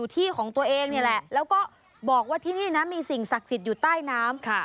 ที่ของตัวเองนี่แหละแล้วก็บอกว่าที่นี่นะมีสิ่งศักดิ์สิทธิ์อยู่ใต้น้ำ